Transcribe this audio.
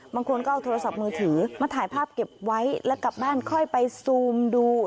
บางคนก็เอาโทรศัพท์มือถือมาถ่ายภาพเก็บไว้แล้วกลับบ้านค่อยไปซูมดู